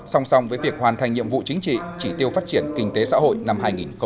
song song với việc hoàn thành nhiệm vụ chính trị chỉ tiêu phát triển kinh tế xã hội năm hai nghìn hai mươi